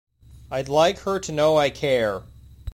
I'd like her to know I care.